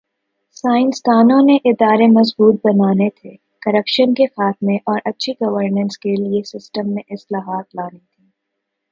سیاستدانوں نے ادارے مضبوط بنانے تھے، کرپشن کے خاتمہ اور اچھی گورننس کے لئے سسٹم میں اصلاحات لانی تھی۔